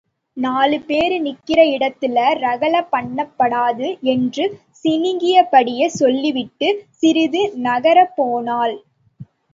நாலுபேரு நிக்கிற இடத்துல ரகள பண்ணப்படாது. என்று சிணுங்கிய படியே சொல்லிவிட்டுச் சிறிது நகரப் போனாள்.